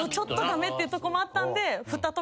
駄目っていうとこもあったんで。